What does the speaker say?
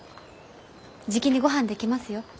じきにごはん出来ますよ。